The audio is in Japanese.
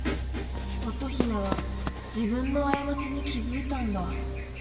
乙姫は自分の過ちに気付いたんだ。